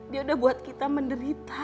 dia udah buat kita menderita